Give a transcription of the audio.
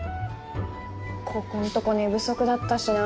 ここんとこ寝不足だったしな。